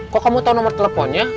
kok kamu tau nomor teleponnya